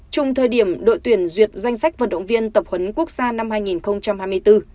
chung thời điểm đội tuyển duyệt danh sách vận động viên tập huấn quốc gia năm hai nghìn hai mươi bốn